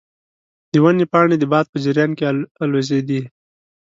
د ونې پاڼې د باد په جریان کې الوزیدې.